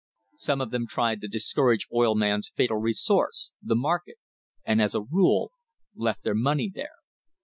Some of them tried the discouraged oil man's fatal resource, the market, and as a rule left their money there.